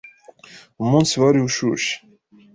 Umunsi wari ushushe.